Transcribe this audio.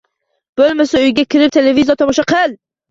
Bo‘lmasa, uyga kirib televizor tomosha qil